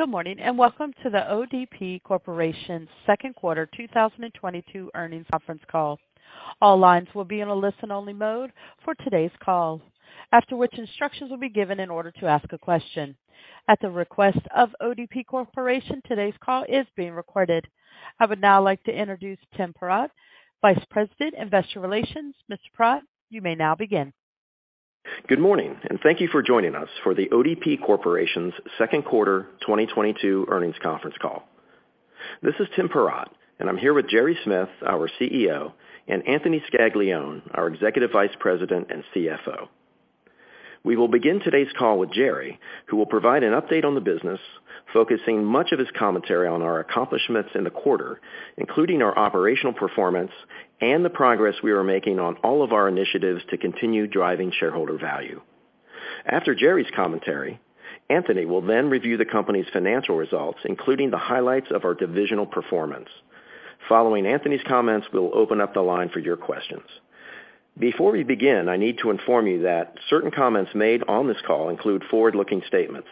Good morning, and welcome to The ODP Corporation Second Quarter 2022 Earnings Conference Call. All lines will be in a listen-only mode for today's call, after which instructions will be given in order to ask a question. At the request of The ODP Corporation, today's call is being recorded. I would now like to introduce Tim Perrott, Vice President, Investor Relations. Mr. Perrott, you may now begin. Good morning, and thank you for joining us for The ODP Corporation's Second Quarter 2022 Earnings Conference Call. This is Tim Perrott, and I'm here with Gerry Smith, our CEO, and Anthony Scaglione, our Executive Vice President and CFO. We will begin today's call with Gerry, who will provide an update on the business, focusing much of his commentary on our accomplishments in the quarter, including our operational performance and the progress we are making on all of our initiatives to continue driving shareholder value. After Gerry's commentary, Anthony will then review the company's financial results, including the highlights of our divisional performance. Following Anthony's comments, we'll open up the line for your questions. Before we begin, I need to inform you that certain comments made on this call include forward-looking statements,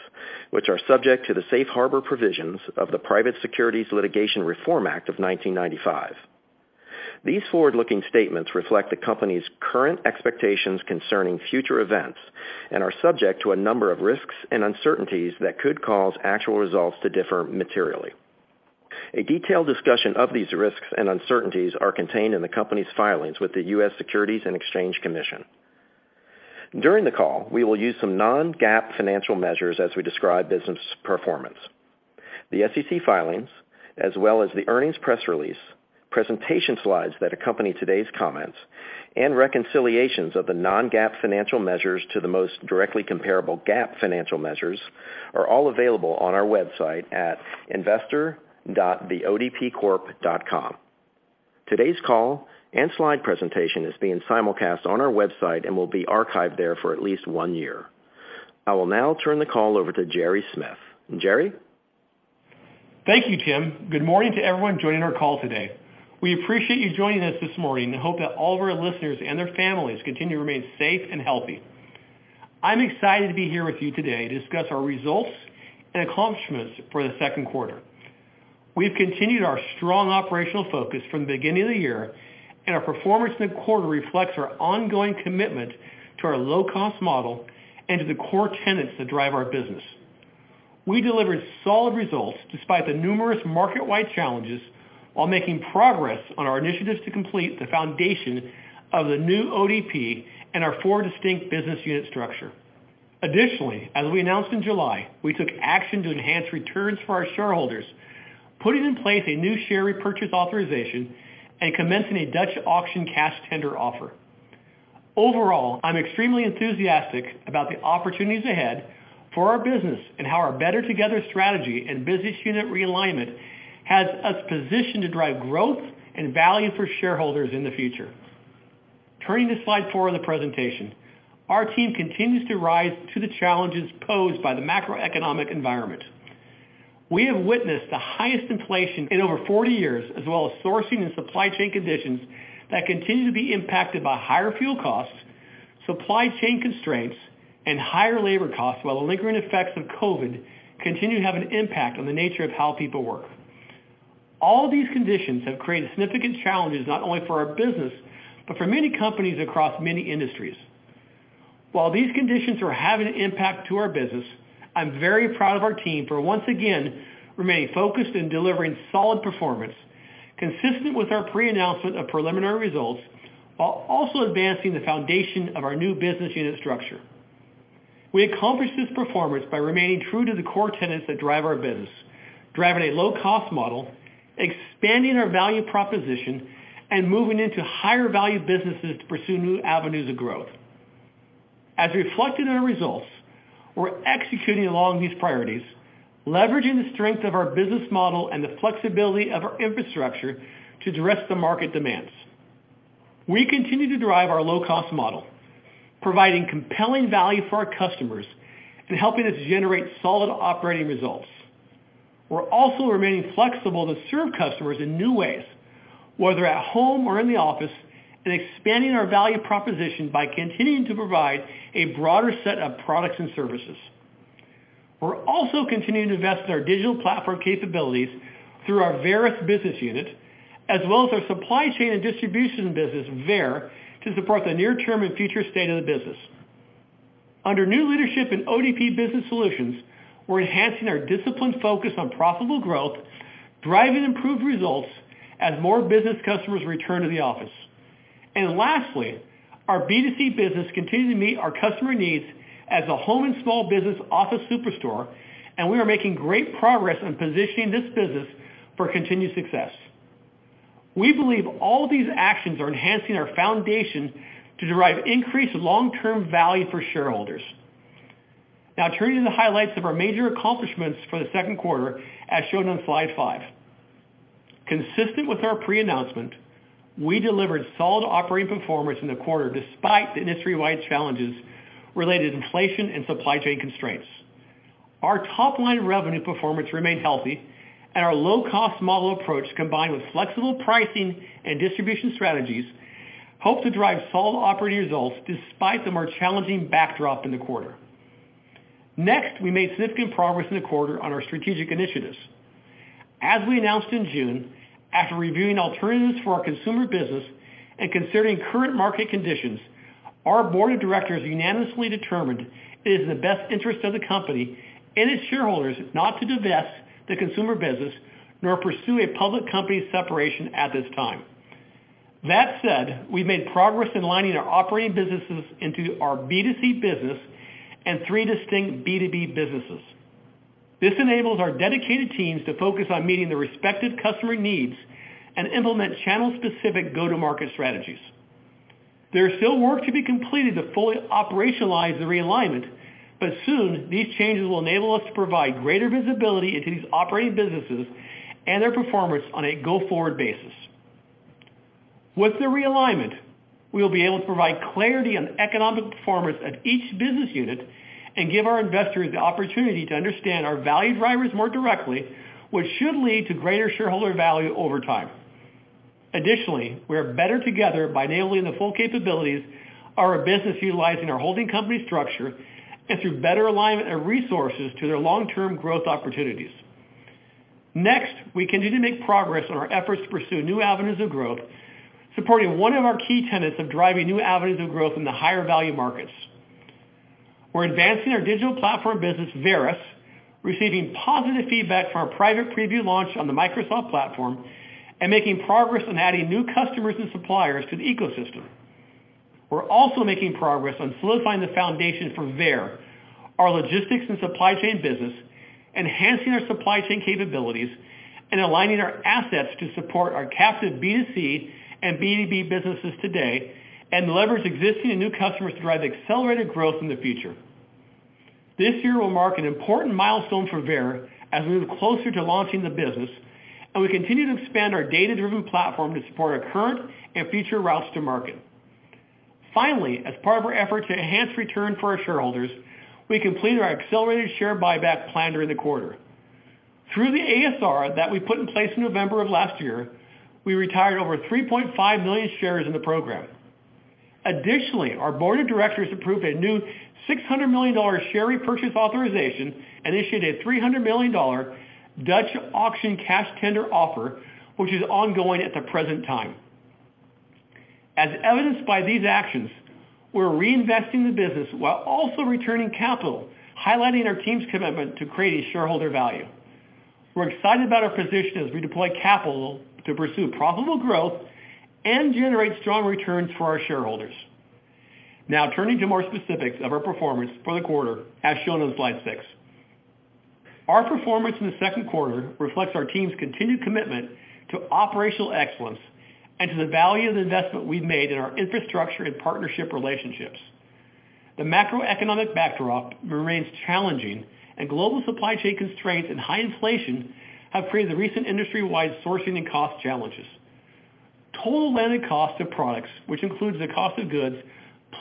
which are subject to the safe harbor provisions of the Private Securities Litigation Reform Act of 1995. These forward-looking statements reflect the company's current expectations concerning future events and are subject to a number of risks and uncertainties that could cause actual results to differ materially. A detailed discussion of these risks and uncertainties are contained in the company's filings with the U.S. Securities and Exchange Commission. During the call, we will use some non-GAAP financial measures as we describe business performance. The SEC filings as well as the earnings press release, presentation slides that accompany today's comments, and reconciliations of the non-GAAP financial measures to the most directly comparable GAAP financial measures are all available on our website at investor.theodpcorp.com. Today's call and slide presentation is being simulcast on our website and will be archived there for at least one year. I will now turn the call over to Gerry Smith. Gerry. Thank you, Tim. Good morning to everyone joining our call today. We appreciate you joining us this morning and hope that all of our listeners and their families continue to remain safe and healthy. I'm excited to be here with you today to discuss our results and accomplishments for the second quarter. We've continued our strong operational focus from the beginning of the year, and our performance in the quarter reflects our ongoing commitment to our low-cost model and to the core tenets that drive our business. We delivered solid results despite the numerous market-wide challenges while making progress on our initiatives to complete the foundation of the new ODP and our four distinct business unit structure. Additionally, as we announced in July, we took action to enhance returns for our shareholders, putting in place a new share repurchase authorization and commencing a Dutch auction cash tender offer. Overall, I'm extremely enthusiastic about the opportunities ahead for our business and how our better together strategy and business unit realignment has us positioned to drive growth and value for shareholders in the future. Turning to slide four of the presentation. Our team continues to rise to the challenges posed by the macroeconomic environment. We have witnessed the highest inflation in over 40 years, as well as sourcing and supply chain conditions that continue to be impacted by higher fuel costs, supply chain constraints, and higher labor costs, while the lingering effects of COVID continue to have an impact on the nature of how people work. All these conditions have created significant challenges not only for our business, but for many companies across many industries. While these conditions are having an impact to our business, I'm very proud of our team for once again remaining focused in delivering solid performance consistent with our pre-announcement of preliminary results, while also advancing the foundation of our new business unit structure. We accomplished this performance by remaining true to the core tenets that drive our business, driving a low-cost model, expanding our value proposition, and moving into higher value businesses to pursue new avenues of growth. As reflected in our results, we're executing along these priorities, leveraging the strength of our business model and the flexibility of our infrastructure to address the market demands. We continue to drive our low-cost model, providing compelling value for our customers and helping us generate solid operating results. We're also remaining flexible to serve customers in new ways, whether at home or in the office, and expanding our value proposition by continuing to provide a broader set of products and services. We're also continuing to invest in our digital platform capabilities through our Varis business unit, as well as our supply chain and distribution business, Veyer, to support the near-term and future state of the business. Under new leadership in ODP Business Solutions, we're enhancing our disciplined focus on profitable growth, driving improved results as more business customers return to the office. Lastly, our B2C business continue to meet our customer needs as a home and small business office superstore, and we are making great progress on positioning this business for continued success. We believe all these actions are enhancing our foundation to derive increased long-term value for shareholders. Now turning to the highlights of our major accomplishments for the second quarter as shown on slide five. Consistent with our pre-announcement, we delivered solid operating performance in the quarter despite the industry-wide challenges related to inflation and supply chain constraints. Our top-line revenue performance remained healthy, and our low-cost model approach, combined with flexible pricing and distribution strategies help to drive solid operating results despite the more challenging backdrop in the quarter. Next, we made significant progress in the quarter on our strategic initiatives. As we announced in June, after reviewing alternatives for our consumer business and considering current market conditions, our board of directors unanimously determined it is in the best interest of the company and its shareholders not to divest the consumer business nor pursue a public company separation at this time. That said, we've made progress in aligning our operating businesses into our B2C business and three distinct B2B businesses. This enables our dedicated teams to focus on meeting the respective customer needs and implement channel-specific go-to-market strategies. There is still work to be completed to fully operationalize the realignment, but soon these changes will enable us to provide greater visibility into these operating businesses and their performance on a go-forward basis. With the realignment, we will be able to provide clarity on economic performance of each business unit and give our investors the opportunity to understand our value drivers more directly, which should lead to greater shareholder value over time. Additionally, we are better together by enabling the full capabilities of our business, utilizing our holding company structure and through better alignment of resources to their long-term growth opportunities. Next, we continue to make progress on our efforts to pursue new avenues of growth, supporting one of our key tenets of driving new avenues of growth in the higher value markets. We're advancing our digital platform business, Varis, receiving positive feedback from our private preview launch on the Microsoft platform, and making progress on adding new customers and suppliers to the ecosystem. We're also making progress on solidifying the foundation for Veyer, our logistics and supply chain business, enhancing our supply chain capabilities and aligning our assets to support our captive B2C and B2B businesses today and leverage existing and new customers to drive accelerated growth in the future. This year will mark an important milestone for Veyer as we move closer to launching the business and we continue to expand our data-driven platform to support our current and future routes to market. Finally, as part of our effort to enhance return for our shareholders, we completed our accelerated share buyback plan during the quarter. Through the ASR that we put in place in November of last year, we retired over 3.5 million shares in the program. Additionally, our board of directors approved a new $600 million share repurchase authorization and issued a $300 million Dutch auction cash tender offer, which is ongoing at the present time. As evidenced by these actions, we're reinvesting the business while also returning capital, highlighting our team's commitment to creating shareholder value. We're excited about our position as we deploy capital to pursue profitable growth and generate strong returns for our shareholders. Now turning to more specifics of our performance for the quarter, as shown on slide six. Our performance in the second quarter reflects our team's continued commitment to operational excellence and to the value of the investment we've made in our infrastructure and partnership relationships. The macroeconomic backdrop remains challenging and global supply chain constraints and high inflation have created the recent industry-wide sourcing and cost challenges. Total landed cost of products, which includes the cost of goods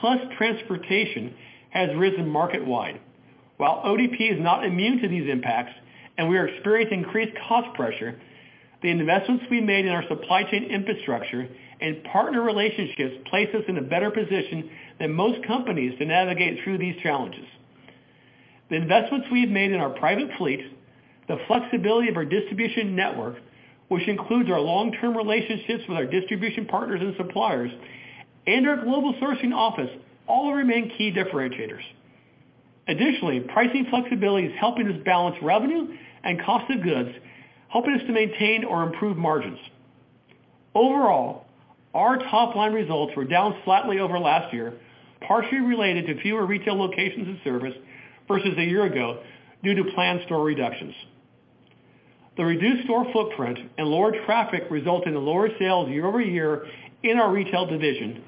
plus transportation, has risen market-wide. While ODP is not immune to these impacts and we are experiencing increased cost pressure, the investments we made in our supply chain infrastructure and partner relationships place us in a better position than most companies to navigate through these challenges. The investments we've made in our private fleet, the flexibility of our distribution network, which includes our long-term relationships with our distribution partners and suppliers, and our global sourcing office all remain key differentiators. Pricing flexibility is helping us balance revenue and cost of goods, helping us to maintain or improve margins. Overall, our top line results were down slightly over last year, partially related to fewer retail locations of service versus a year ago due to planned store reductions. The reduced store footprint and lower traffic resulted in lower sales year-over-year in our retail division,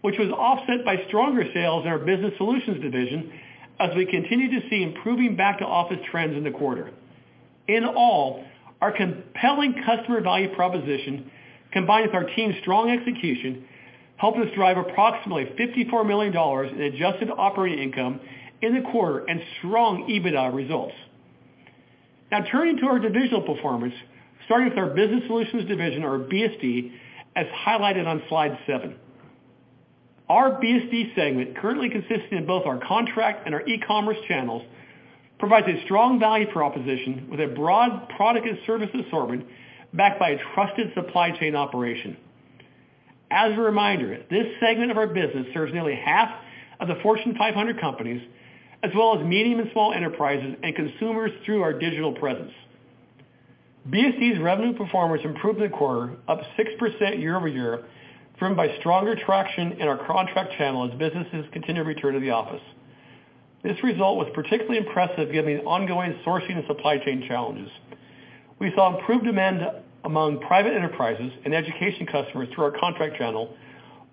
which was offset by stronger sales in our business solutions division as we continue to see improving back-to-office trends in the quarter. In all, our compelling customer value proposition, combined with our team's strong execution, helped us drive approximately $54 million in adjusted operating income in the quarter and strong EBITDA results. Now turning to our divisional performance, starting with our business solutions division, or BSD, as highlighted on slide seven. Our BSD segment, currently consisting of both our contract and our e-commerce channels, provides a strong value proposition with a broad product and service assortment backed by a trusted supply chain operation. As a reminder, this segment of our business serves nearly half of the Fortune 500 companies, as well as medium and small enterprises and consumers through our digital presence. BSD's revenue performance improved in the quarter, up 6% year-over-year, driven by stronger traction in our contract channel as businesses continue to return to the office. This result was particularly impressive given the ongoing sourcing and supply chain challenges. We saw improved demand among private enterprises and education customers through our contract channel,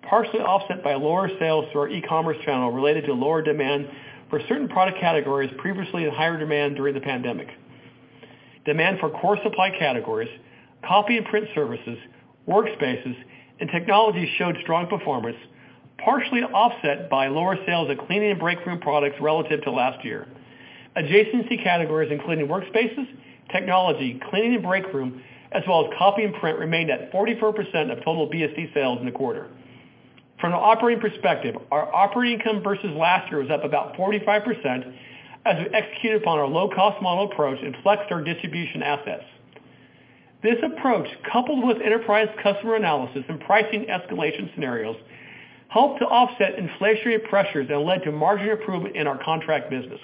partially offset by lower sales through our e-commerce channel related to lower demand for certain product categories previously in higher demand during the pandemic. Demand for core supply categories, copy and print services, workspaces, and technology showed strong performance. Partially offset by lower sales of cleaning and break room products relative to last year. Adjacency categories, including workspaces, technology, cleaning and break room, as well as copy and print, remained at 44% of total BSD sales in the quarter. From an operating perspective, our operating income versus last year was up about 45% as we executed upon our low-cost model approach and flexed our distribution assets. This approach, coupled with enterprise customer analysis and pricing escalation scenarios, helped to offset inflationary pressures that led to margin improvement in our contract business.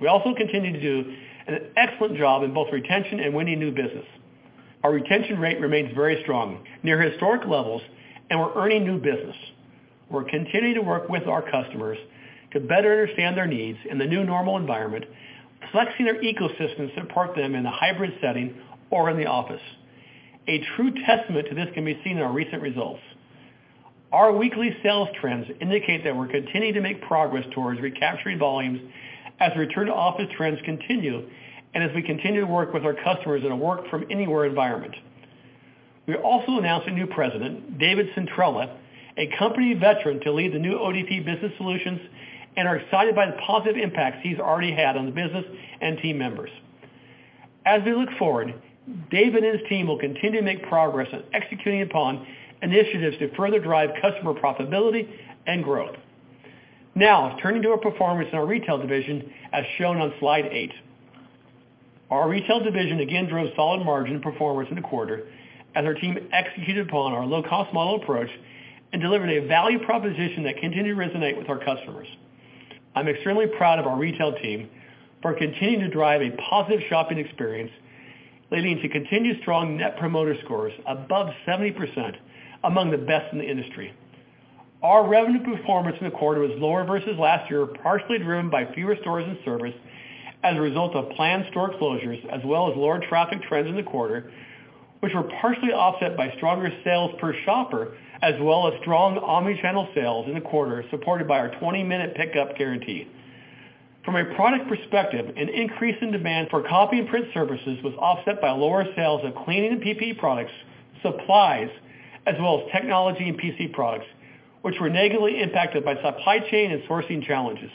We also continue to do an excellent job in both retention and winning new business. Our retention rate remains very strong, near historic levels, and we're earning new business. We're continuing to work with our customers to better understand their needs in the new normal environment, flexing our ecosystem to support them in a hybrid setting or in the office. A true testament to this can be seen in our recent results. Our weekly sales trends indicate that we're continuing to make progress towards recapturing volumes as return-to-office trends continue and as we continue to work with our customers in a work-from-anywhere environment. We also announced a new President, David Centrella, a company veteran, to lead the new ODP Business Solutions and are excited by the positive impacts he's already had on the business and team members. As we look forward, Dave and his team will continue to make progress on executing upon initiatives to further drive customer profitability and growth. Now, turning to our performance in our Retail Division as shown on slide eight. Our Retail Division again drove solid margin performance in the quarter as our team executed upon our low-cost model approach and delivered a value proposition that continued to resonate with our customers. I'm extremely proud of our Retail Team for continuing to drive a positive shopping experience, leading to continued strong net promoter scores above 70%, among the best in the industry. Our revenue performance in the quarter was lower versus last year, partially driven by fewer stores and service as a result of planned store closures as well as lower traffic trends in the quarter, which were partially offset by stronger sales per shopper, as well as strong omni-channel sales in the quarter supported by our 20-minute pickup guarantee. From a product perspective, an increase in demand for copy and print services was offset by lower sales of cleaning and PPE products, supplies, as well as technology and PC products, which were negatively impacted by supply chain and sourcing challenges.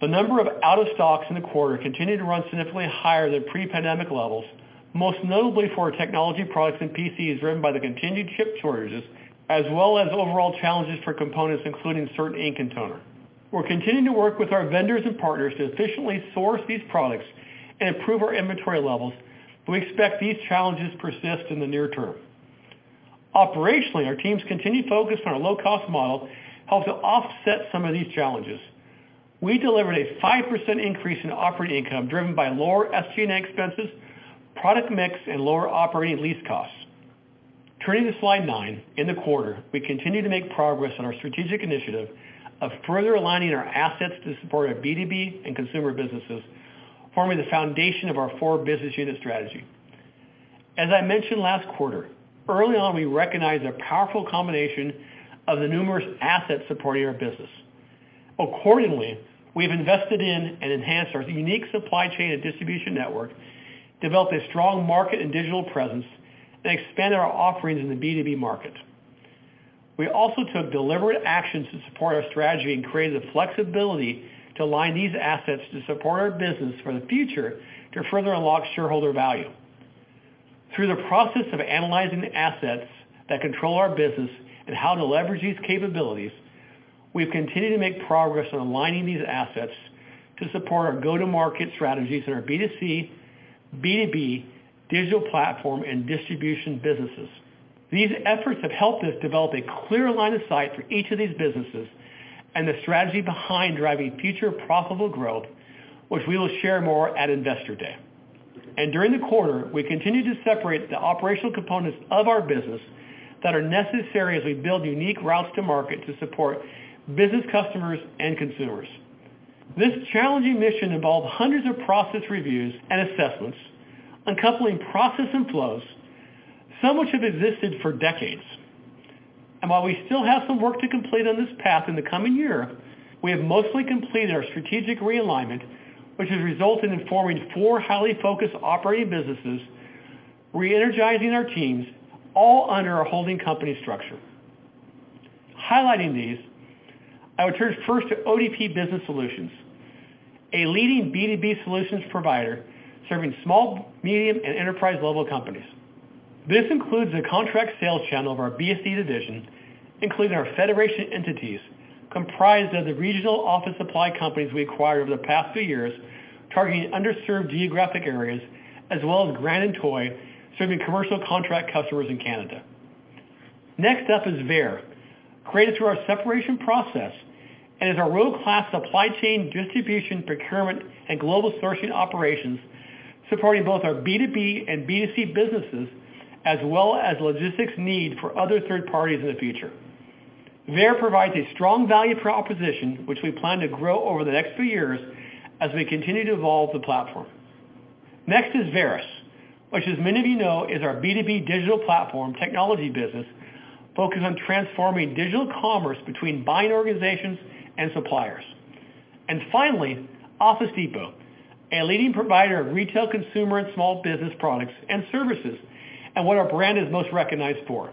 The number of out-of-stocks in the quarter continued to run significantly higher than pre-pandemic levels, most notably for our technology products and PCs driven by the continued chip shortages as well as overall challenges for components including certain ink and toner. We're continuing to work with our vendors and partners to efficiently source these products and improve our inventory levels, but we expect these challenges to persist in the near term. Operationally, our team's continued focus on our low-cost model helped to offset some of these challenges. We delivered a 5% increase in operating income driven by lower SG&A expenses, product mix, and lower operating lease costs. Turning to slide nine, in the quarter, we continued to make progress on our strategic initiative of further aligning our assets to support our B2B and consumer businesses, forming the foundation of our four business unit strategy. As I mentioned last quarter, early on, we recognized the powerful combination of the numerous assets supporting our business. Accordingly, we've invested in and enhanced our unique supply chain and distribution network, developed a strong market and digital presence, and expanded our offerings in the B2B market. We also took deliberate actions to support our strategy and created the flexibility to align these assets to support our business for the future to further unlock shareholder value. Through the process of analyzing the assets that control our business and how to leverage these capabilities, we've continued to make progress on aligning these assets to support our go-to-market strategies in our B2C, B2B, digital platform, and distribution businesses. These efforts have helped us develop a clear line of sight for each of these businesses and the strategy behind driving future profitable growth, which we will share more at Investor Day. During the quarter, we continued to separate the operational components of our business that are necessary as we build unique routes to market to support business customers and consumers. This challenging mission involved hundreds of process reviews and assessments, uncoupling process and flows, some of which have existed for decades. While we still have some work to complete on this path in the coming year, we have mostly completed our strategic realignment, which has resulted in forming four highly focused operating businesses, re-energizing our teams, all under a holding company structure. Highlighting these, I would turn first to ODP Business Solutions, a leading B2B solutions provider serving small, medium, and enterprise-level companies. This includes the contract sales channel of our BSD division, including our federation entities comprised of the regional office supply companies we acquired over the past few years, targeting underserved geographic areas, as well as Grand & Toy, serving commercial contract customers in Canada. Next up is Veyer, created through our separation process and is a world-class supply chain distribution, procurement, and global sourcing operations supporting both our B2B and B2C businesses, as well as logistics need for other third parties in the future. Veyer provides a strong value proposition, which we plan to grow over the next few years as we continue to evolve the platform. Next is Varis, which as many of you know is our B2B digital platform technology business focused on transforming digital commerce between buying organizations and suppliers. Finally, Office Depot, a leading provider of retail consumer and small business products and services, and what our brand is most recognized for.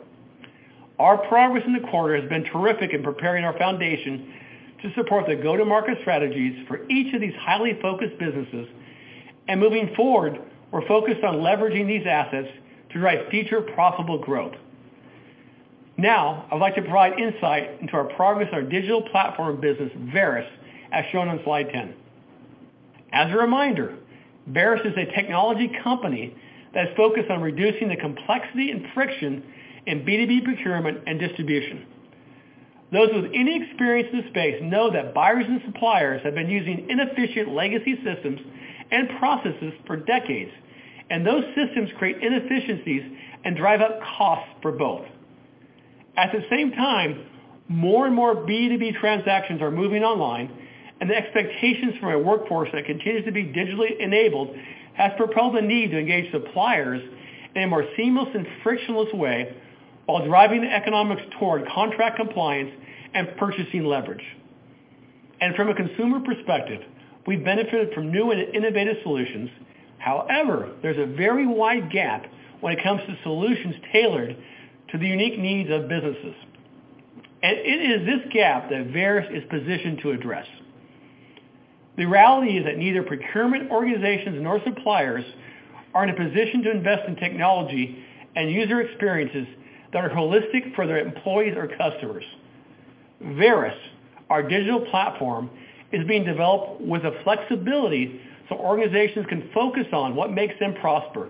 Our progress in the quarter has been terrific in preparing our foundation to support the go-to-market strategies for each of these highly focused businesses. Moving forward, we're focused on leveraging these assets to drive future profitable growth. Now, I'd like to provide insight into our progress, our digital platform business, Varis, as shown on slide 10. As a reminder, Varis is a technology company that is focused on reducing the complexity and friction in B2B procurement and distribution. Those with any experience in the space know that buyers and suppliers have been using inefficient legacy systems and processes for decades, and those systems create inefficiencies and drive up costs for both. At the same time, more and more B2B transactions are moving online, and the expectations from a workforce that continues to be digitally enabled has propelled the need to engage suppliers in a more seamless and frictionless way while driving the economics toward contract compliance and purchasing leverage. From a consumer perspective, we benefited from new and innovative solutions. However, there's a very wide gap when it comes to solutions tailored to the unique needs of businesses. It is this gap that Varis is positioned to address. The reality is that neither procurement organizations nor suppliers are in a position to invest in technology and user experiences that are holistic for their employees or customers. Varis, our digital platform, is being developed with the flexibility so organizations can focus on what makes them prosper,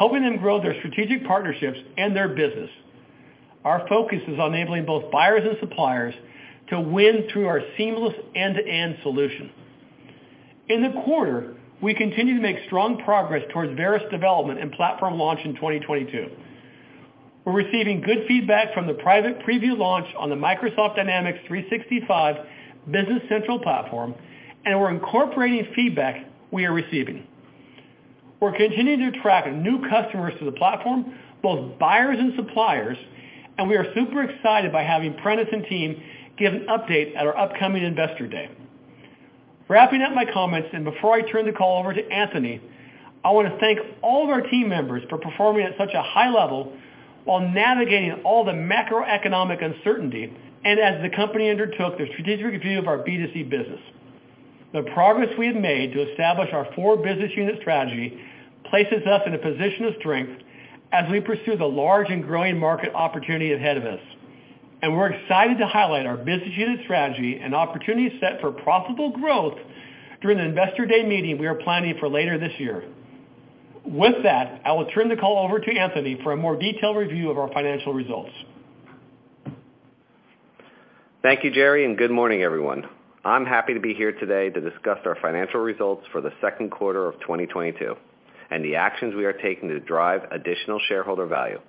helping them grow their strategic partnerships and their business. Our focus is on enabling both buyers and suppliers to win through our seamless end-to-end solution. In the quarter, we continue to make strong progress towards Varis development and platform launch in 2022. We're receiving good feedback from the private preview launch on the Microsoft Dynamics 365 Business Central platform, and we're incorporating feedback we are receiving. We're continuing to attract new customers to the platform, both buyers and suppliers, and we are super excited by having Prentis and team give an update at our upcoming Investor Day. Wrapping up my comments, and before I turn the call over to Anthony, I want to thank all of our team members for performing at such a high level while navigating all the macroeconomic uncertainty and as the company undertook the strategic review of our B2C business. The progress we have made to establish our four business unit strategy places us in a position of strength as we pursue the large and growing market opportunity ahead of us. We're excited to highlight our business unit strategy and opportunity set for profitable growth during the Investor Day meeting we are planning for later this year. With that, I will turn the call over to Anthony for a more detailed review of our financial results. Thank you, Gerry, and good morning, everyone. I'm happy to be here today to discuss our financial results for the second quarter of 2022, and the actions we are taking to drive additional shareholder value.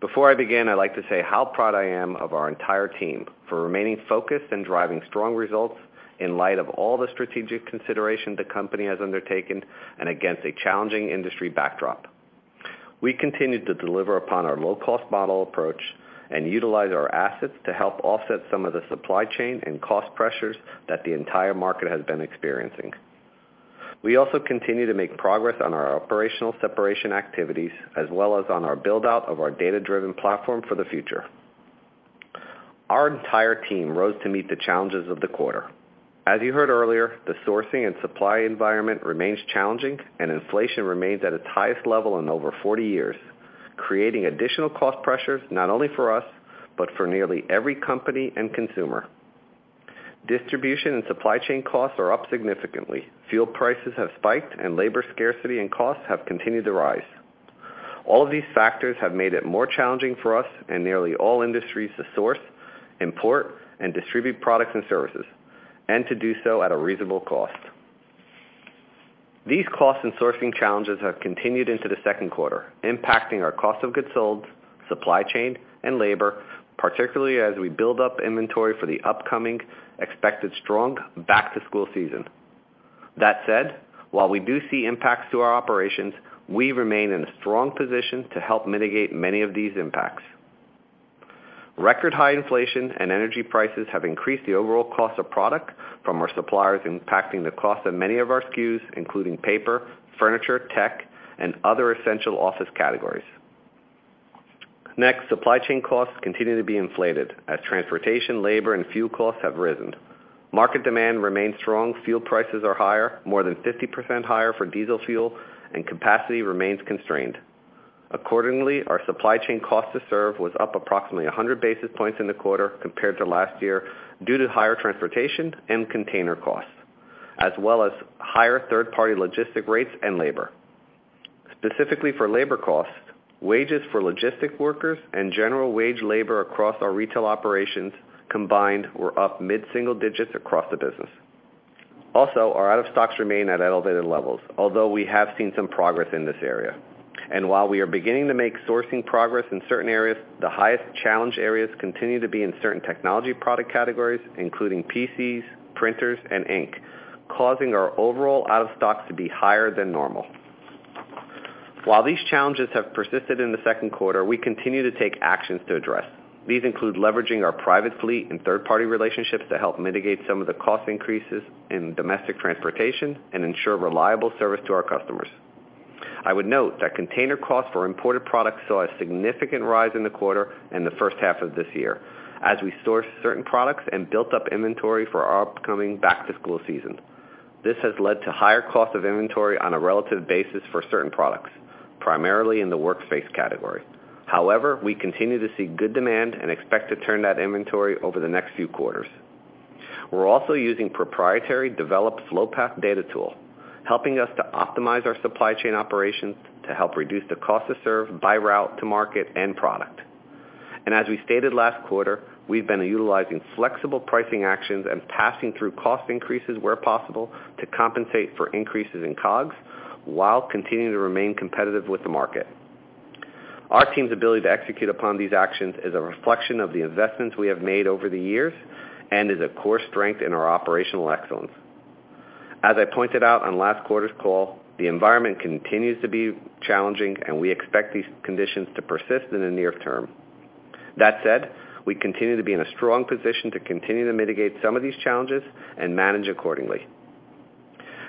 Before I begin, I'd like to say how proud I am of our entire team for remaining focused and driving strong results in light of all the strategic consideration the company has undertaken and against a challenging industry backdrop. We continued to deliver upon our low-cost model approach and utilize our assets to help offset some of the supply chain and cost pressures that the entire market has been experiencing. We also continue to make progress on our operational separation activities as well as on our build-out of our data-driven platform for the future. Our entire team rose to meet the challenges of the quarter. As you heard earlier, the sourcing and supply environment remains challenging and inflation remains at its highest level in over 40 years, creating additional cost pressures not only for us, but for nearly every company and consumer. Distribution and supply chain costs are up significantly. Fuel prices have spiked and labor scarcity and costs have continued to rise. All of these factors have made it more challenging for us and nearly all industries to source, import, and distribute products and services, and to do so at a reasonable cost. These costs and sourcing challenges have continued into the second quarter, impacting our cost of goods sold, supply chain and labor, particularly as we build up inventory for the upcoming expected strong back to school season. That said, while we do see impacts to our operations, we remain in a strong position to help mitigate many of these impacts. Record high inflation and energy prices have increased the overall cost of product from our suppliers, impacting the cost of many of our SKUs, including paper, furniture, tech, and other essential office categories. Next, supply chain costs continue to be inflated as transportation, labor, and fuel costs have risen. Market demand remains strong. Fuel prices are higher, more than 50% higher for diesel fuel, and capacity remains constrained. Accordingly, our supply chain cost to serve was up approximately 100 basis points in the quarter compared to last year due to higher transportation and container costs, as well as higher third-party logistics rates and labor. Specifically for labor costs, wages for logistics workers and general wage labor across our retail operations combined were up mid-single digits across the business. Also, our out-of-stocks remain at elevated levels, although we have seen some progress in this area. While we are beginning to make sourcing progress in certain areas, the highest challenge areas continue to be in certain technology product categories, including PCs, printers, and ink, causing our overall out of stocks to be higher than normal. While these challenges have persisted in the second quarter, we continue to take actions to address. These include leveraging our private fleet and third-party relationships to help mitigate some of the cost increases in domestic transportation and ensure reliable service to our customers. I would note that container costs for imported products saw a significant rise in the quarter in the first half of this year as we sourced certain products and built up inventory for our upcoming back-to-school season. This has led to higher cost of inventory on a relative basis for certain products, primarily in the workspace category. However, we continue to see good demand and expect to turn that inventory over the next few quarters. We're also using proprietary developed flow path data tool, helping us to optimize our supply chain operations to help reduce the cost to serve by route to market and product. As we stated last quarter, we've been utilizing flexible pricing actions and passing through cost increases where possible to compensate for increases in COGS while continuing to remain competitive with the market. Our team's ability to execute upon these actions is a reflection of the investments we have made over the years and is a core strength in our operational excellence. As I pointed out on last quarter's call, the environment continues to be challenging, and we expect these conditions to persist in the near term. That said, we continue to be in a strong position to continue to mitigate some of these challenges and manage accordingly.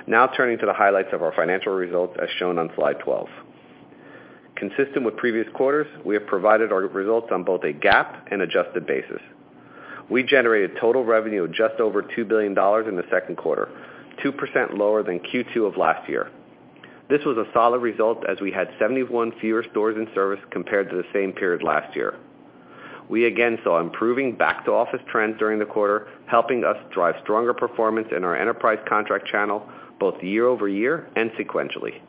Now turning to the highlights of our financial results as shown on slide 12. Consistent with previous quarters, we have provided our results on both a GAAP and adjusted basis. We generated total revenue of just over $2 billion in the second quarter, 2% lower than Q2 of last year. This was a solid result as we had 71 fewer stores in service compared to the same period last year. We again saw improving back-to-office trends during the quarter, helping us drive stronger performance in our enterprise contract channel, both year-over-year and sequentially.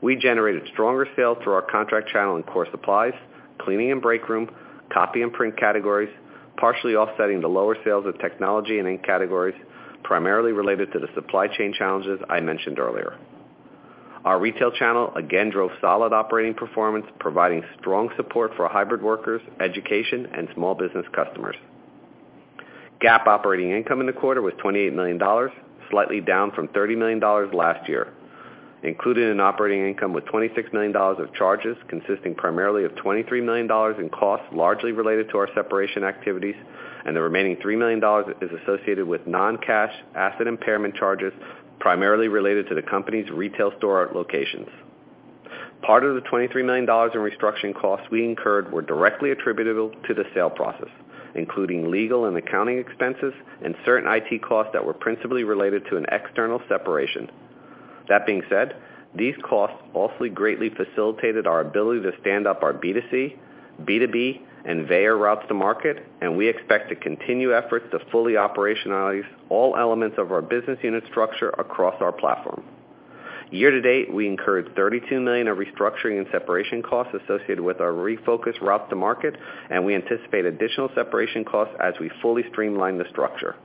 We generated stronger sales through our contract channel in core supplies, cleaning and break room, copy and print categories, partially offsetting the lower sales of technology and ink categories, primarily related to the supply chain challenges I mentioned earlier. Our retail channel again drove solid operating performance, providing strong support for hybrid workers, education, and small business customers. GAAP operating income in the quarter was $28 million, slightly down from $30 million last year. Included in operating income was $26 million of charges consisting primarily of $23 million in costs, largely related to our separation activities, and the remaining $3 million is associated with non-cash asset impairment charges, primarily related to the company's retail store locations. Part of the $23 million in restructuring costs we incurred were directly attributable to the sale process, including legal and accounting expenses and certain IT costs that were principally related to an external separation. That being said, these costs also greatly facilitated our ability to stand up our B2C, B2B, and Veyer routes to market, and we expect to continue efforts to fully operationalize all elements of our business unit structure across our platform. Year to date, we incurred $32 million of restructuring and separation costs associated with our refocused route to market, and we anticipate additional separation costs as we fully streamline the structure.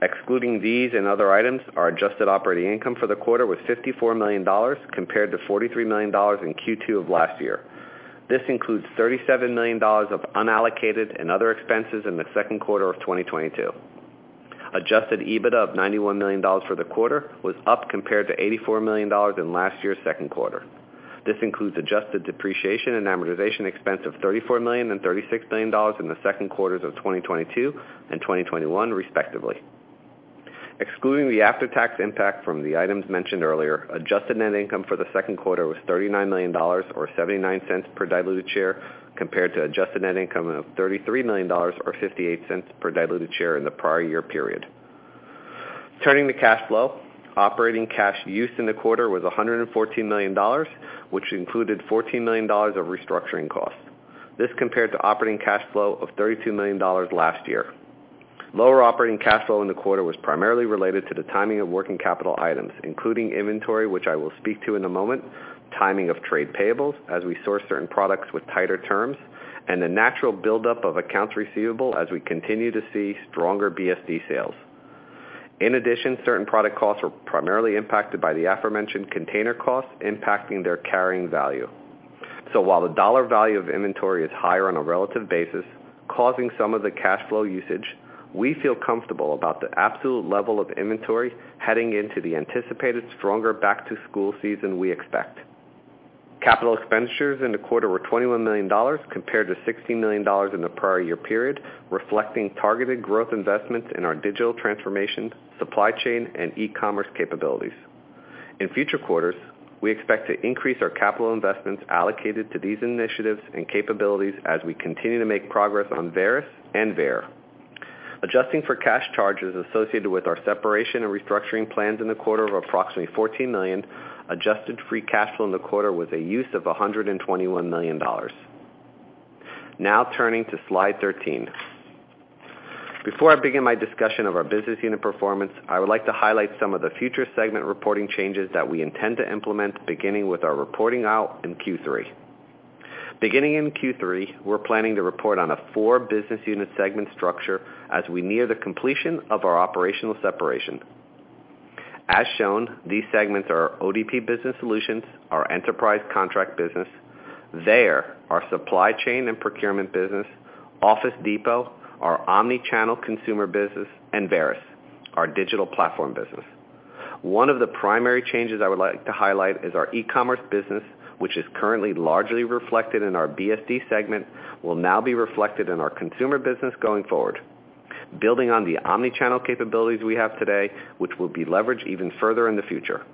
Excluding these and other items, our adjusted operating income for the quarter was $54 million compared to $43 million in Q2 of last year. This includes $37 million of unallocated and other expenses in the second quarter of 2022. Adjusted EBITDA of $91 million for the quarter was up compared to $84 million in last year's second quarter. This includes adjusted depreciation and amortization expense of $34 million and $36 million in the second quarters of 2022 and 2021 respectively. Excluding the after-tax impact from the items mentioned earlier, adjusted net income for the second quarter was $39 million or $0.79 per diluted share compared to adjusted net income of $33 million or $0.58 per diluted share in the prior year period. Turning to cash flow, operating cash use in the quarter was $114 million, which included $14 million of restructuring costs. This compared to operating cash flow of $32 million last year. Lower operating cash flow in the quarter was primarily related to the timing of working capital items, including inventory, which I will speak to in a moment, timing of trade payables as we source certain products with tighter terms, and the natural buildup of accounts receivable as we continue to see stronger BSD sales. In addition, certain product costs were primarily impacted by the aforementioned container costs impacting their carrying value. While the dollar value of inventory is higher on a relative basis, causing some of the cash flow usage, we feel comfortable about the absolute level of inventory heading into the anticipated stronger back-to-school season we expect. Capital expenditures in the quarter were $21 million compared to $60 million in the prior year period, reflecting targeted growth investments in our digital transformation, supply chain, and e-commerce capabilities. In future quarters, we expect to increase our capital investments allocated to these initiatives and capabilities as we continue to make progress on Varis and Veyer. Adjusting for cash charges associated with our separation and restructuring plans in the quarter of approximately $14 million, adjusted free cash flow in the quarter was a use of $121 million. Now turning to slide 13. Before I begin my discussion of our business unit performance, I would like to highlight some of the future segment reporting changes that we intend to implement beginning with our reporting out in Q3. Beginning in Q3, we're planning to report on a four business unit segment structure as we near the completion of our operational separation. As shown, these segments are ODP Business Solutions, our enterprise contract business, Veyer, our supply chain and procurement business, Office Depot, our omni-channel consumer business, and Varis. Our digital platform business. One of the primary changes I would like to highlight is our e-commerce business, which is currently largely reflected in our BSD segment, will now be reflected in our consumer business going forward, building on the omni-channel capabilities we have today, which will be leveraged even further in the future.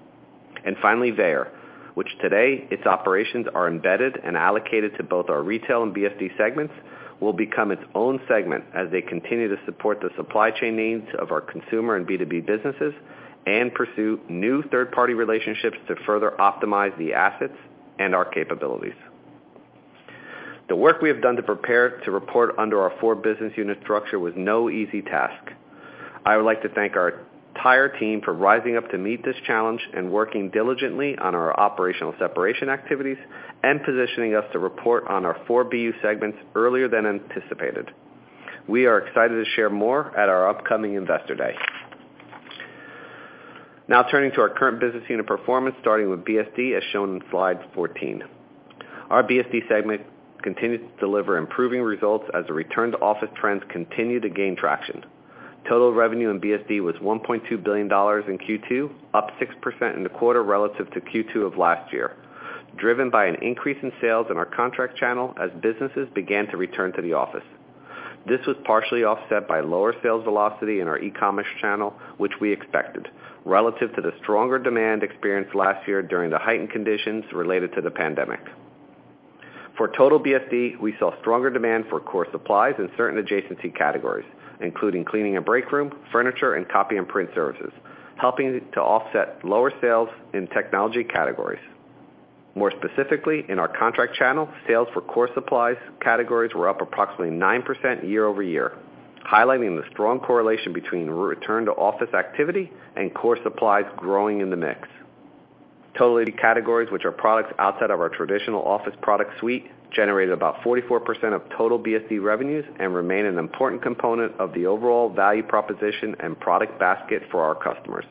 Finally, Veyer, which today its operations are embedded and allocated to both our retail and BSD segments, will become its own segment as they continue to support the supply chain needs of our consumer and B2B businesses and pursue new third-party relationships to further optimize the assets and our capabilities. The work we have done to prepare to report under our four business unit structure was no easy task. I would like to thank our entire team for rising up to meet this challenge and working diligently on our operational separation activities and positioning us to report on our four BU segments earlier than anticipated. We are excited to share more at our upcoming Investor Day. Now turning to our current business unit performance, starting with BSD, as shown in slide 14. Our BSD segment continued to deliver improving results as the return-to-office trends continue to gain traction. Total revenue in BSD was $1.2 billion in Q2, up 6% in the quarter relative to Q2 of last year, driven by an increase in sales in our contract channel as businesses began to return to the office. This was partially offset by lower sales velocity in our e-commerce channel, which we expected, relative to the stronger demand experienced last year during the heightened conditions related to the pandemic. For total BSD, we saw stronger demand for core supplies in certain adjacency categories, including cleaning and breakroom, furniture, and copy and print services, helping to offset lower sales in technology categories. More specifically, in our contract channel, sales for core supplies categories were up approximately 9% year-over-year, highlighting the strong correlation between return-to-office activity and core supplies growing in the mix. Total categories which are products outside of our traditional office product suite generated about 44% of total BSD revenues and remain an important component of the overall value proposition and product basket for our customers.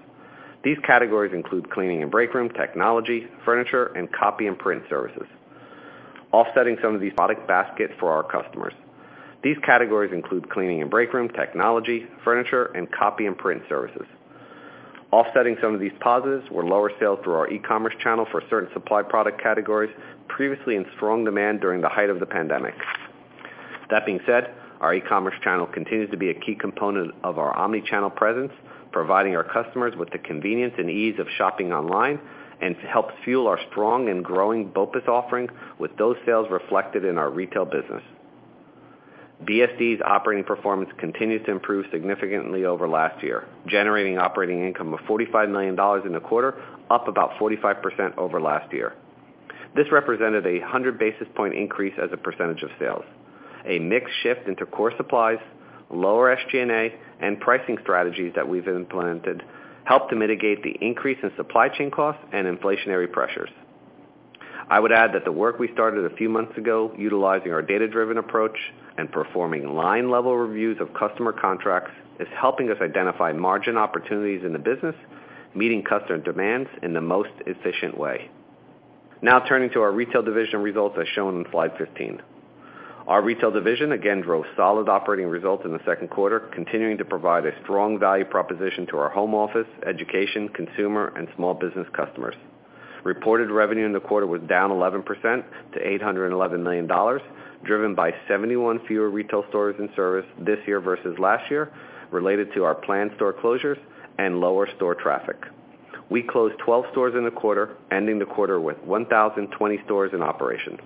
These categories include cleaning and breakroom, technology, furniture, and copy and print services. Offsetting some of these product baskets for our customers. These categories include cleaning and breakroom, technology, furniture, and copy and print services. Offsetting some of these positives were lower sales through our e-commerce channel for certain supply product categories previously in strong demand during the height of the pandemic. That being said, our e-commerce channel continues to be a key component of our omni-channel presence, providing our customers with the convenience and ease of shopping online, and helps fuel our strong and growing BOPIS offerings with those sales reflected in our retail business. BSD's operating performance continued to improve significantly over last year, generating operating income of $45 million in the quarter, up about 45% over last year. This represented a 100 basis point increase as a percentage of sales. A mixed shift into core supplies, lower SG&A, and pricing strategies that we've implemented helped to mitigate the increase in supply chain costs and inflationary pressures. I would add that the work we started a few months ago, utilizing our data-driven approach and performing line-level reviews of customer contracts, is helping us identify margin opportunities in the business, meeting customer demands in the most efficient way. Now turning to our retail division results, as shown on slide 15. Our retail division again drove solid operating results in the second quarter, continuing to provide a strong value proposition to our home office, education, consumer, and small business customers. Reported revenue in the quarter was down 11% to $811 million, driven by 71 fewer retail stores in service this year versus last year related to our planned store closures and lower store traffic. We closed 12 stores in the quarter, ending the quarter with 1,020 stores in operation.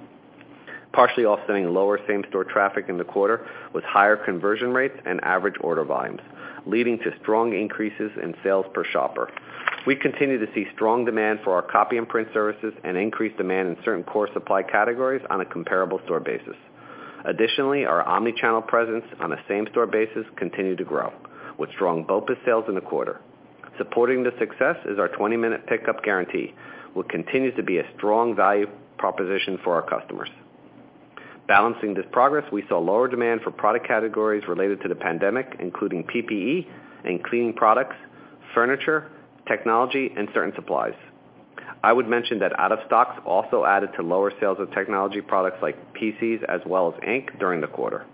Partially offsetting lower same store traffic in the quarter was higher conversion rates and average order volumes, leading to strong increases in sales per shopper. We continue to see strong demand for our copy and print services and increased demand in certain core supply categories on a comparable store basis. Additionally, our omni-channel presence on a same store basis continued to grow with strong BOPIS sales in the quarter. Supporting the success is our 20-minute pickup guarantee, which continues to be a strong value proposition for our customers. Balancing this progress, we saw lower demand for product categories related to the pandemic, including PPE and cleaning products, furniture, technology, and certain supplies. I would mention that out of stocks also added to lower sales of technology products like PCs as well as ink during the quarter.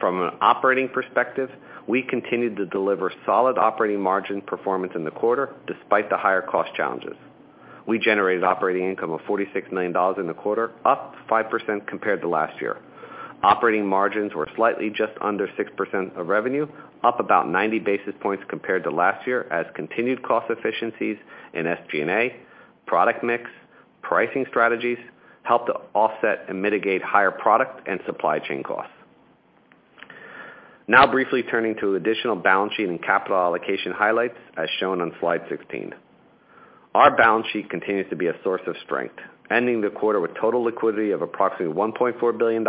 From an operating perspective, we continued to deliver solid operating margin performance in the quarter despite the higher cost challenges. We generated operating income of $46 million in the quarter, up 5% compared to last year. Operating margins were slightly just under 6% of revenue, up about 90 basis points compared to last year, as continued cost efficiencies in SG&A, product mix, pricing strategies helped to offset and mitigate higher product and supply chain costs. Now briefly turning to additional balance sheet and capital allocation highlights as shown on slide 16. Our balance sheet continues to be a source of strength, ending the quarter with total liquidity of approximately $1.4 billion,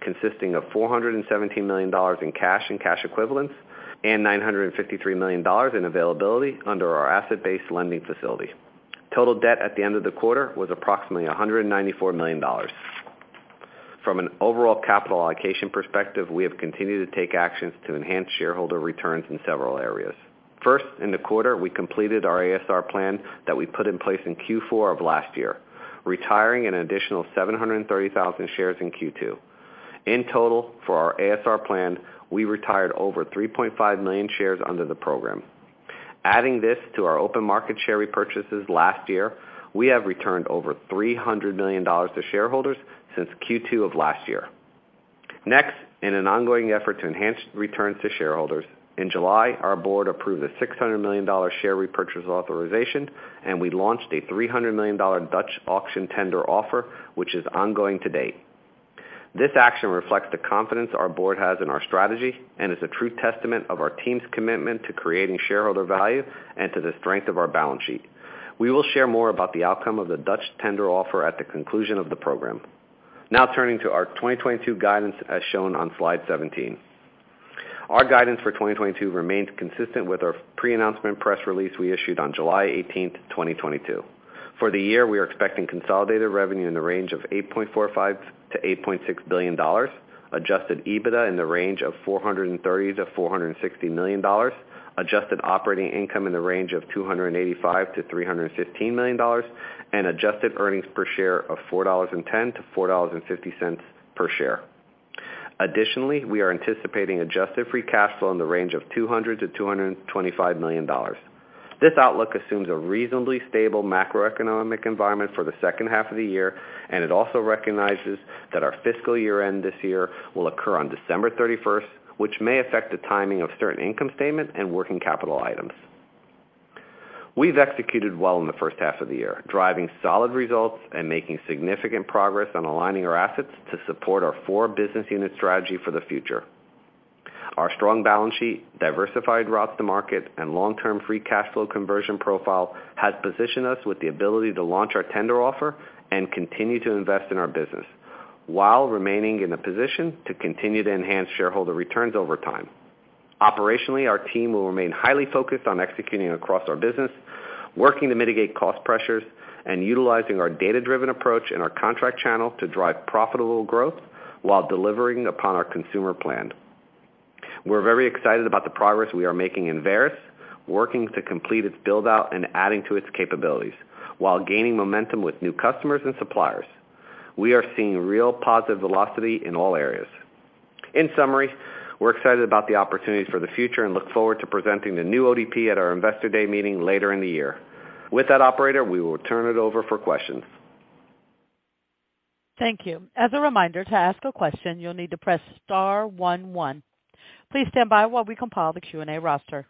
consisting of $417 million in cash and cash equivalents and $953 million in availability under our asset-based lending facility. Total debt at the end of the quarter was approximately $194 million. From an overall capital allocation perspective, we have continued to take actions to enhance shareholder returns in several areas. First, in the quarter, we completed our ASR plan that we put in place in Q4 of last year, retiring an additional 730,000 shares in Q2. In total, for our ASR plan, we retired over 3.5 million shares under the program. Adding this to our open market share repurchases last year, we have returned over $300 million to shareholders since Q2 of last year. Next, in an ongoing effort to enhance returns to shareholders, in July, our board approved a $600 million share repurchase authorization, and we launched a $300 million Dutch auction tender offer, which is ongoing to date. This action reflects the confidence our board has in our strategy and is a true testament of our team's commitment to creating shareholder value and to the strength of our balance sheet. We will share more about the outcome of the Dutch tender offer at the conclusion of the program. Now turning to our 2022 guidance as shown on slide 17. Our guidance for 2022 remains consistent with our pre-announcement press release we issued on July 18th, 2022. For the year, we are expecting consolidated revenue in the range of $8.45 million-$8.6 billion, Adjusted EBITDA in the range of $430 million-$460 million, adjusted operating income in the range of $285 million-$315 million, and adjusted earnings per share of $4.10-$4.50 per share. Additionally, we are anticipating adjusted free cash flow in the range of $200 million-$225 million. This outlook assumes a reasonably stable macroeconomic environment for the second half of the year, and it also recognizes that our fiscal year end this year will occur on December 31st, which may affect the timing of certain income statement and working capital items. We've executed well in the first half of the year, driving solid results and making significant progress on aligning our assets to support our four business unit strategy for the future. Our strong balance sheet diversified throughout the market and long-term free cash flow conversion profile has positioned us with the ability to launch our tender offer and continue to invest in our business while remaining in a position to continue to enhance shareholder returns over time. Operationally, our team will remain highly focused on executing across our business, working to mitigate cost pressures, and utilizing our data-driven approach and our contract channel to drive profitable growth while delivering upon our consumer plan. We're very excited about the progress we are making in Varis, working to complete its build-out and adding to its capabilities while gaining momentum with new customers and suppliers. We are seeing real positive velocity in all areas. In summary, we're excited about the opportunities for the future and look forward to presenting the new ODP at our Investor Day meeting later in the year. With that, operator, we will turn it over for questions. Thank you. As a reminder, to ask a question, you'll need to press star one. Please stand by while we compile the Q&A roster.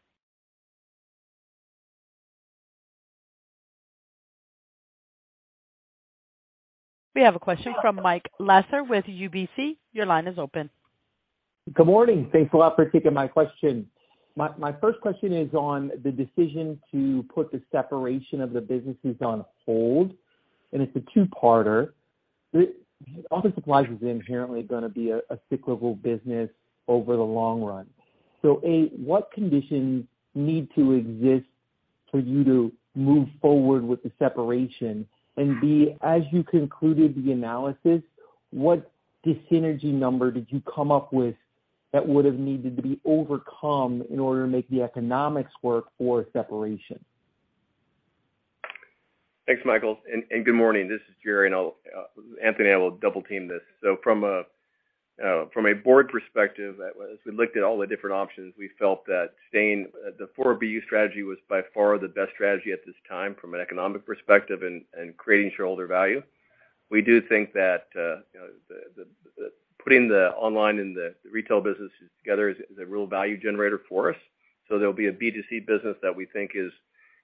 We have a question from Mike Lasser with UBS. Your line is open. Good morning. Thanks a lot for taking my question. My first question is on the decision to put the separation of the businesses on hold, and it's a two-parter. Office Supplies is inherently gonna be a cyclical business over the long run. A, what conditions need to exist for you to move forward with the separation? B, as you concluded the analysis, what dis-synergy number did you come up with that would have needed to be overcome in order to make the economics work for a separation? Thanks, Michael, and good morning. This is Gerry. Anthony and I will double-team this. From a board perspective, as we looked at all the different options, we felt that staying the four BU strategy was by far the best strategy at this time from an economic perspective and creating shareholder value. We do think that you know putting the online and the retail businesses together is a real value generator for us. There'll be a B2C business that we think is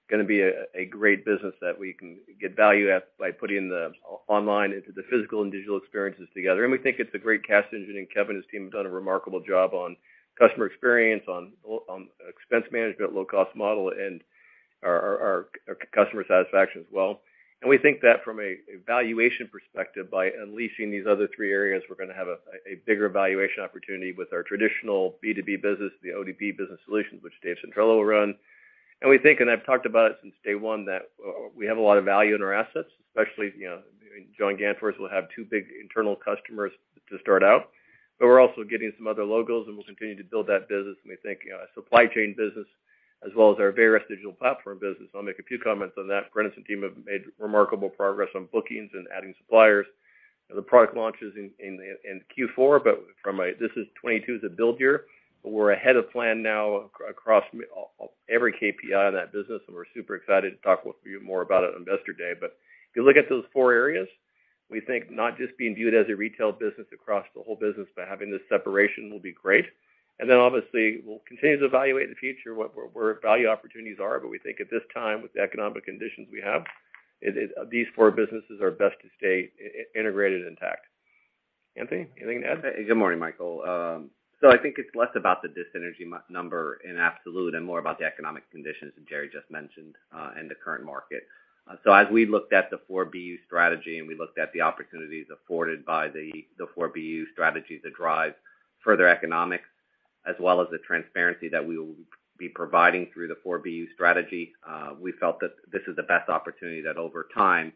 gonna be a great business that we can get value at by putting the online into the physical and digital experiences together. We think it's a great cash engine, and Kevin and his team have done a remarkable job on customer experience, on expense management, low-cost model, and our customer satisfaction as well. We think that from a valuation perspective, by unleashing these other three areas, we're gonna have a bigger valuation opportunity with our traditional B2B business, the ODP Business Solutions, which David Centrella will run. We think, and I've talked about it since day one, that we have a lot of value in our assets, especially, you know, John Gannfors will have two big internal customers to start out. We're also getting some other logos, and we'll continue to build that business. We think, you know, our Veyer as well as our Varis digital platform business. I'll make a few comments on that. Brent and team have made remarkable progress on bookings and adding suppliers. The product launch is in Q4, but this is 2022 is a build year. We're ahead of plan now across every KPI in that business, and we're super excited to talk with you more about it on Investor Day. If you look at those four areas, we think not just being viewed as a retail business across the whole business, but having this separation will be great. Then obviously, we'll continue to evaluate in the future what, where value opportunities are. We think at this time, with the economic conditions we have, these four businesses are best to stay integrated intact. Anthony, anything to add? Good morning, Michael. I think it's less about the dis-synergy number in absolute and more about the economic conditions that Gerry just mentioned, and the current market. As we looked at the four BU strategy and we looked at the opportunities afforded by the four BU strategy to drive further economics as well as the transparency that we will be providing through the four BU strategy, we felt that this is the best opportunity that over time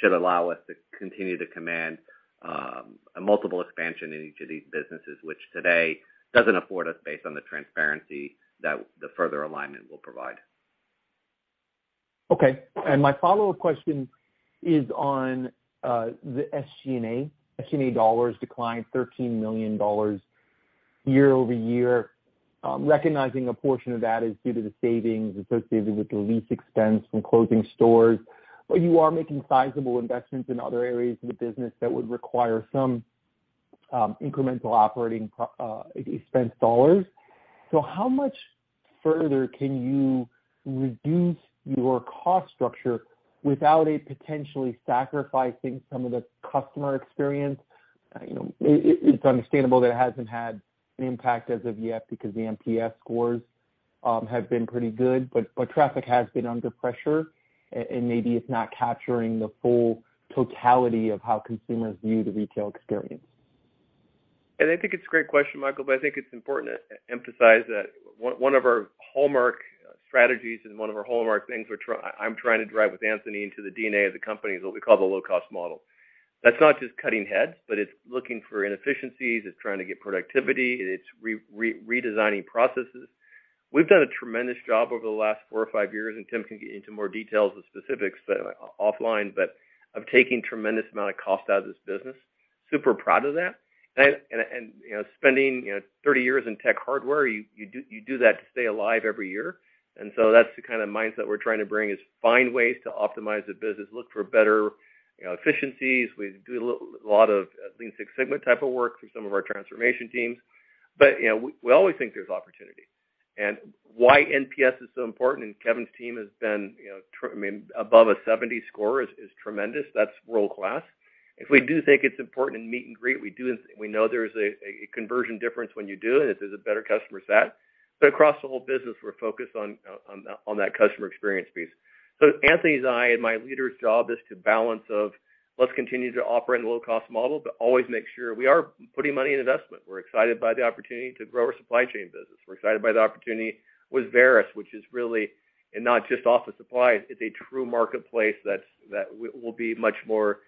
should allow us to continue to command a multiple expansion in each of these businesses, which today doesn't afford us based on the transparency that the further alignment will provide. Okay. My follow-up question is on the SG&A. SG&A dollars declined $13 million year-over-year. Recognizing a portion of that is due to the savings associated with the lease expense from closing stores. You are making sizable investments in other areas of the business that would require some incremental operating expense dollars. How much further can you reduce your cost structure without it potentially sacrificing some of the customer experience? You know, it's understandable that it hasn't had an impact as of yet because the NPS scores have been pretty good, but traffic has been under pressure, and maybe it's not capturing the full totality of how consumers view the retail experience. I think it's a great question, Mike, but I think it's important to emphasize that one of our hallmark strategies and one of our hallmark things we're trying to drive with Anthony into the DNA of the company is what we call the low-cost model. That's not just cutting heads, but it's looking for inefficiencies, it's trying to get productivity, it's redesigning processes. We've done a tremendous job over the last four or five years, and Tim can get into more details and specifics, but offline, but of taking tremendous amount of cost out of this business. Super proud of that. You know, spending you know, 30 years in tech hardware, you do that to stay alive every year. That's the kind of mindset we're trying to bring is find ways to optimize the business, look for better, you know, efficiencies. We do a lot of Lean Six Sigma type of work through some of our transformation teams. You know, we always think there's opportunity. Why NPS is so important, and Kevin's team has been, you know, I mean, above a 70 score is tremendous. That's world-class. If we do think it's important in meet and greet, we do this. We know there's a conversion difference when you do it, and it is a better customer set. Across the whole business, we're focused on that customer experience piece. Anthony's and I and my leaders job is to balance of, let's continue to operate in the low-cost model, but always make sure we are putting money in investment. We're excited by the opportunity to grow our supply chain business. We're excited by the opportunity with Varis, which is really, and not just office supplies, it's a true marketplace that's that will be much more,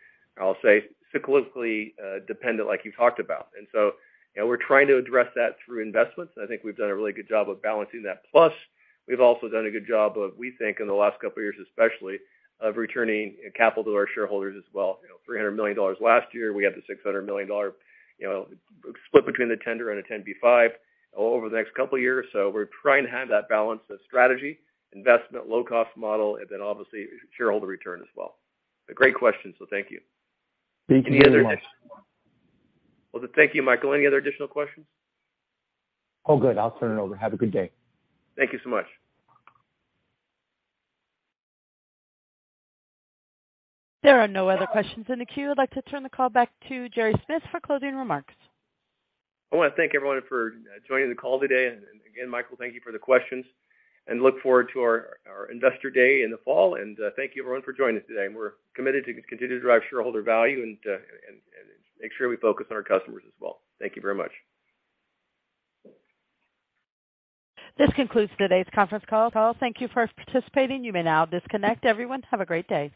I'll say, cyclically dependent, like you talked about. You know, we're trying to address that through investments, and I think we've done a really good job of balancing that. Plus, we've also done a good job of, we think, in the last couple of years especially, of returning capital to our shareholders as well. You know, $300 million last year, we have the $600 million, you know, split between the tender and a 10b5-1 over the next couple of years. We're trying to have that balance of strategy, investment, low-cost model, and then obviously shareholder return as well. A great question, so thank you. Thank you very much. Well, thank you, Michael. Any other additional questions? All good. I'll turn it over. Have a good day. Thank you so much. There are no other questions in the queue. I'd like to turn the call back to Gerry Smith for closing remarks. I wanna thank everyone for joining the call today. Again, Michael, thank you for the questions, and look forward to our Investor Day in the fall. Thank you, everyone, for joining us today. We're committed to continue to drive shareholder value and make sure we focus on our customers as well. Thank you very much. This concludes today's conference call. Thank you for participating. You may now disconnect. Everyone, have a great day.